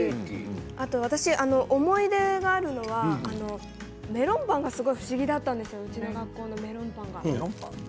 あと私、思い出があるのはメロンパンがすごく不思議だったんですうちの学校のメロンパン。